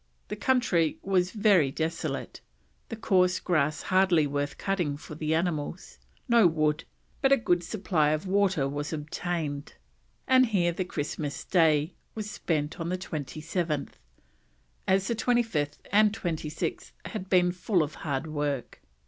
The country was very desolate, the coarse grass hardly worth cutting for the animals; no wood, but a good supply of water was obtained; and here the Christmas Day was spent on the 27th, as the 25th and 26th had been full of hard work.